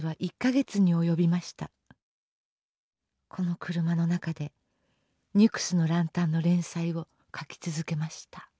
この車の中で「ニュクスの角灯」の連載を描き続けました。